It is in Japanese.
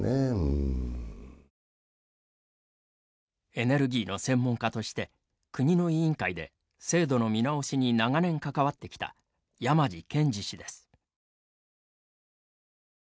エネルギーの専門家として国の委員会で、制度の見直しに長年関わってきた山地憲治氏です。